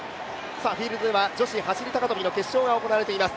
フィールドでは女子走高跳の決勝が行われています。